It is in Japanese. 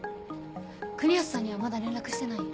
国安さんにはまだ連絡してない？